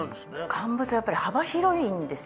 乾物やっぱり幅広いんですよね。